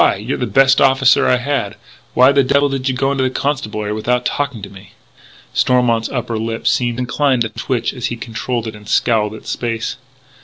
You're the best officer I had. Why the devil did you go into the Constabulary without talking to me?" Stormont's upper lip seemed inclined to twitch but he controlled it and scowled at space.